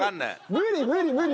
無理無理無理無理！